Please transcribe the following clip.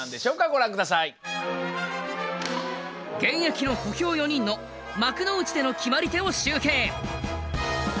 現役の小兵４人の幕内での決まり手を集計。